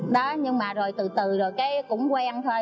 đó nhưng mà rồi từ từ rồi cái cũng quen thôi